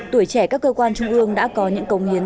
tuổi trẻ các cơ quan trung ương đã có những công hiến